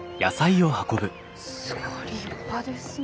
すごい立派ですね。